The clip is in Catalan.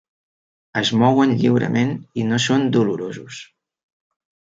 Es mouen lliurement i no són dolorosos.